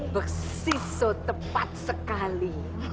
ber sis so tepat sekali